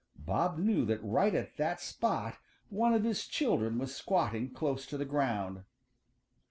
Bob knew that right at that spot one of his children was squatting close to the ground.